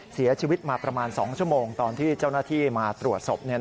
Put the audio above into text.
เสียชีวิตมาประมาณ๒ชั่วโมงตอนที่เจ้าหน้าที่มาตรวจศพ